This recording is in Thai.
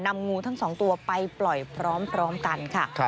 งูทั้งสองตัวไปปล่อยพร้อมกันค่ะ